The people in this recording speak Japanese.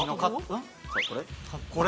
これ？